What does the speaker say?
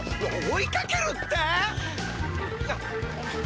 追いかけるって？